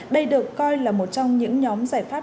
đây được coi là một trong những nhóm giải pháp